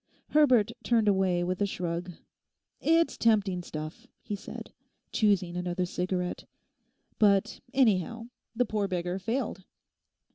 Herbert turned away with a shrug. 'It's tempting stuff,' he said, choosing another cigarette. 'But anyhow, the poor beggar failed.